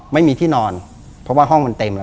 ไม่มีที่นอนเพราะว่าห้องมันเต็มแล้ว